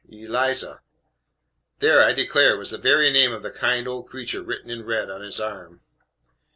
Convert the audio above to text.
"Eliza " There, I declare, was the very name of the kind old creature written in red on his arm.